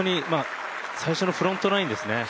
最初のフロントナインですね。